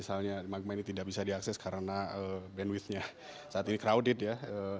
kalau misalnya dalam kondisi misalnya magma ini tidak bisa diakses karena bandwidthnya saat ini crowded ya